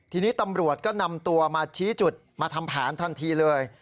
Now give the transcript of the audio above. ทีนี้ตำรวจก็นำตัวมาชี้จุดมาทำแผนทันทีเลย